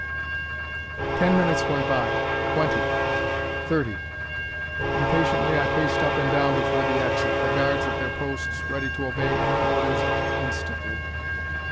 Ten minutes went by. Twenty. Thirty. Impatiently I paced up and down before the exit, the guards at their posts, ready to obey any orders instantly.